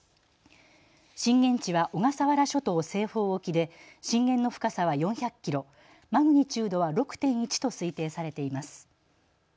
震源地は小笠原諸島西方沖で震源の深さは４００キロ、マグニチュードは６．１と推定されています。